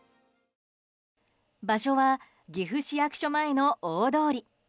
場所は岐阜市役所前の大通り。